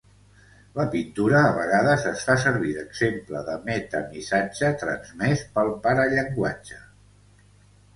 La pintura a vegades es fa servir d'exemple de metamissatge transmès pel parallenguatge.